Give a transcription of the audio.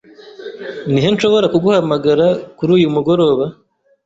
Ni he nshobora kuguhamagara kuri uyu mugoroba?